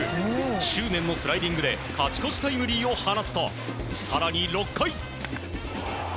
執念のスライディングで勝ち越しタイムリーを放つと更に、６回。